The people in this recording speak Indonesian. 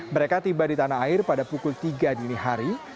mereka tiba di tanah air pada pukul tiga dini hari